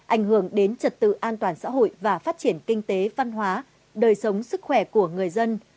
ảnh hưởng đến trật tự an toàn xã hội và phát triển kinh tế văn hóa đời sống sức khỏe của người dân